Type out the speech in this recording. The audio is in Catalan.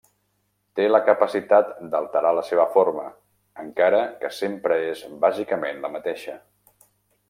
Té la capacitat d'alterar la seva forma, encara que sempre és bàsicament la mateixa.